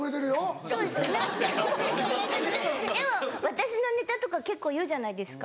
私のネタとか結構言うじゃないですか。